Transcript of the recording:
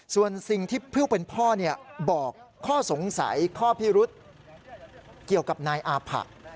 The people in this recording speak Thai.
ส่วนสิ่งที่ผู้เป็นพ่อบอกข้อสงสัยข้อพิรุษเกี่ยวกับนายอาผะ